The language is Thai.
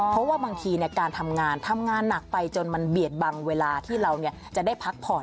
เพราะว่าบางทีการทำงานทำงานหนักไปจนมันเบียดบังเวลาที่เราจะได้พักผ่อน